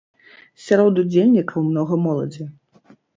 Сярод удзельнікаў многа моладзі.